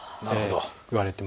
なるほど。